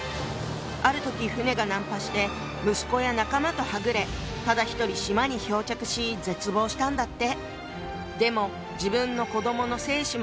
ある時船が難破して息子や仲間とはぐれただ一人島に漂着し絶望したんだって。